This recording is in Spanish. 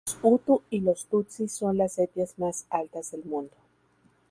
Los hutu y los tutsi son las etnias más altas del mundo.